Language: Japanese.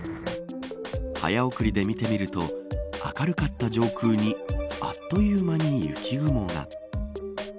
早送りで見てみると明るかった上空にあっという間に雪雲が。